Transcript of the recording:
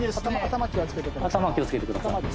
頭気を付けてください。